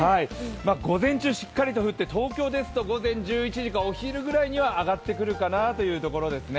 午前中しっかりと降って、東京ですと、午後１時かお昼ぐらいにはあがってくるかなというところですね。